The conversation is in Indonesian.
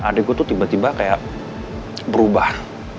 adik gue tuh tiba tiba kayak berubah